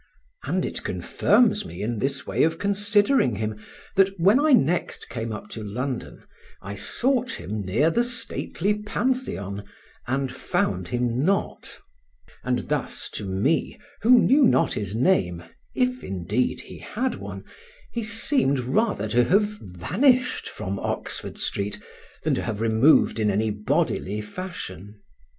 And it confirms me in this way of considering him, that when I next came up to London I sought him near the stately Pantheon, and found him not; and thus to me, who knew not his name (if indeed he had one), he seemed rather to have vanished from Oxford Street than to have removed in any bodily fashion.